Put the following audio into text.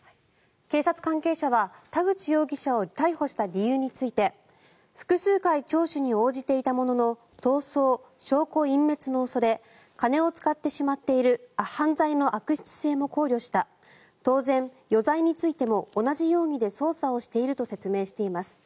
警察関係者は田口容疑者を逮捕した理由について複数回聴取に応じていたものの逃走・証拠隠滅の恐れ金を使ってしまっている犯罪の悪質性も考慮した当然、余罪についても同じ容疑で捜査していると説明しています。